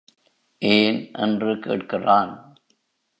ஏன்? என்று கேட்கிறான்.